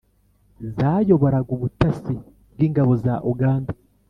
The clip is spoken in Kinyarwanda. zayoboraga ubutasi bw'ingabo za uganda?